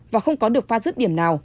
và không có được pha rứt điểm